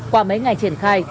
qua mấy ngày triển khai